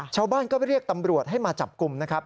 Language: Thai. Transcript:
ชาวบ้านก็เรียกตำรวจให้มาจับกลุ่มนะครับ